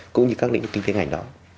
cũng như các lĩnh vực kinh tế ngành đó